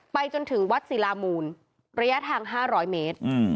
จนถึงวัดศิลามูลระยะทาง๕๐๐เมตร